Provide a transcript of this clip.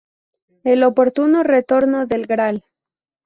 El oportuno retorno del Gral.